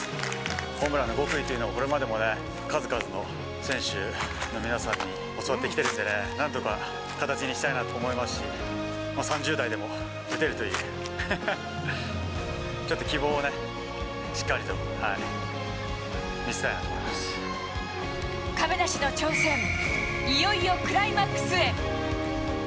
ホームランの極意というものをこれまでもね、数々の選手の皆さんに教わってきてるんでね、なんとか形にしたいなと思いますし、３０代でも打てるという、ちょっと希望をね、亀梨の挑戦、いよいよクライマックスへ。